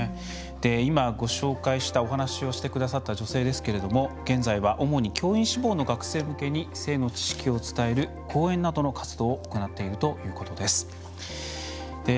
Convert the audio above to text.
今、ご紹介したお話をしてくださった女性ですが現在は主に教員志望の学生向けに性の知識を伝える講演などの活動を行っているということです。